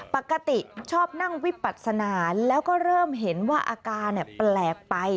ปกติชอบนั่งวิปัสนาแล้วก็เริ่มเห็นว่าอาการแปลกไป